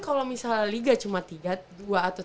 kalau misalnya liga cuma dua atau